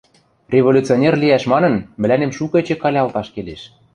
Революционер лиӓш манын, мӹлӓнем шукы эче калялташ келеш.